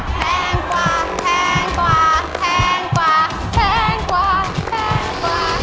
แพงกว่าแพงกว่าแพงกว่าแพงกว่าแพงกว่า